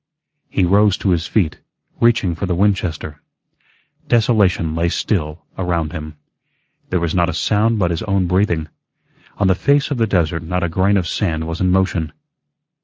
He rose to his feet, reaching for the Winchester. Desolation lay still around him. There was not a sound but his own breathing; on the face of the desert not a grain of sand was in motion.